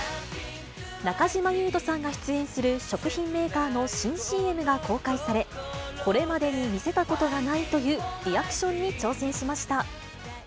中島裕翔さんが出演する食品メーカーの新ＣＭが公開され、これまでに見せたことがないというリアクションに挑戦しました。